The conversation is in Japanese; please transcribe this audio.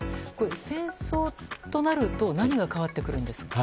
戦争となると何が変わってくるんですか？